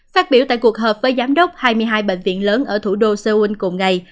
phát biểu tại cuộc họp với giám đốc hai mươi hai bệnh viện lớn ở thủ đô seoul cùng ngày